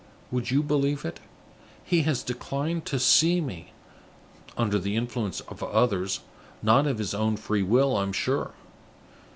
Would you believe it? He has declined to see me under the influence of others, not of his own free will, I am sure!